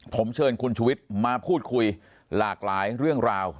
ผมเชิญคุณชุวิตมาพูดคุยหลากหลายเรื่องราว